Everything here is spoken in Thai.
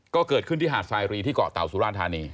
ก็เกิดขึ้นที่หาดสายรีที่เกาะเต่าสุราธานี